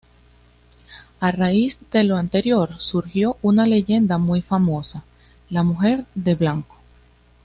A raíz de lo anterior, surgió una leyenda muy famosa, La Mujer de Blanco.